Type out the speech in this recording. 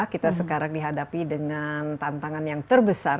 kita sekarang dihadapi dengan tantangan yang terbesar